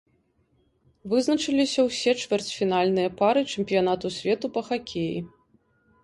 Вызначыліся ўсе чвэрцьфінальныя пары чэмпіянату свету па хакеі.